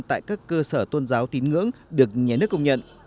tại các cơ sở tôn giáo tín ngưỡng được nhé nước công nhận